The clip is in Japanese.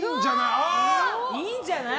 いいんじゃない？